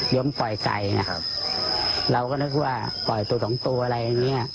ย้มปล่อยไก่เราก็นึกว่าปล่อยตัวตัวอะไรอย่างเนี่ย